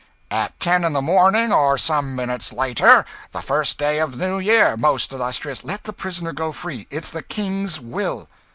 "At ten in the morning, or some minutes later, the first day of the New Year, most illustrious " "Let the prisoner go free it is the King's will!"